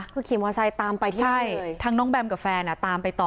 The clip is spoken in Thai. คือขี่มอไซค์ตามไปที่ทั้งน้องแบมกับแฟนตามไปต่อ